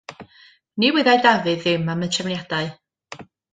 Ni wyddai Dafydd ddim am y trefniadau.